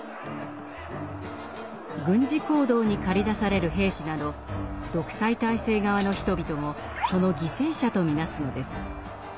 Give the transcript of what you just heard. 軍事行動に駆り出される兵士など独裁体制側の人々もその犠牲者と見なすのです。